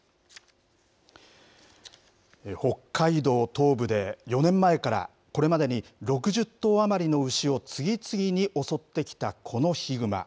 北海道東部で４年前から、これまでに６０頭余りの牛を次々に襲ってきたこのヒグマ。